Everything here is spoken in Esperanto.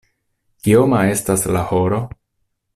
Kioma estas la horo?